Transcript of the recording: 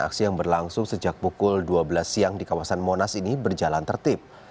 aksi yang berlangsung sejak pukul dua belas siang di kawasan monas ini berjalan tertib